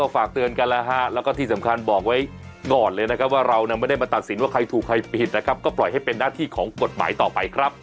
ฝากเตือนกันแล้วฮะแล้วก็ที่สำคัญบอกไว้ก่อนเลยนะครับว่าเราไม่ได้มาตัดสินว่าใครถูกใครผิดนะครับก็ปล่อยให้เป็นหน้าที่ของกฎหมายต่อไปครับ